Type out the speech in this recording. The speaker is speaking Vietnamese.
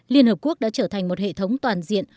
liên hợp quốc đã trở thành một hệ thống toàn diện